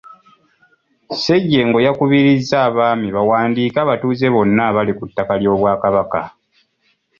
Ssejjengo yakubirizza abaami bawandiike abatuuze bonna abali ku ttaka ly’Obwakabaka.